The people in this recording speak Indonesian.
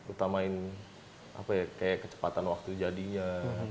utamain kecepatan waktu jadinya